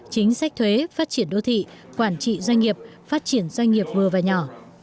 chính sách thuế phát triển đô thị quản trị doanh nghiệp phát triển doanh nghiệp vừa và nhỏ